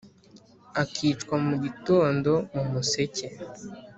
akicwa mugitondo! mu museke